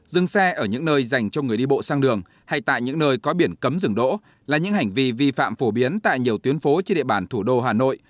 dừng xe ở những nơi dành cho người đi bộ sang đường hay tại những nơi có biển cấm rừng đỗ là những hành vi vi phạm phổ biến tại nhiều tuyến phố trên địa bàn thủ đô hà nội